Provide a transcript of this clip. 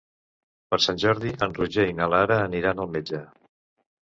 Per Sant Jordi en Roger i na Lara aniran al metge.